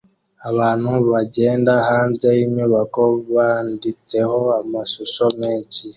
Abantu bagenda hanze yinyubako yanditseho amashusho menshi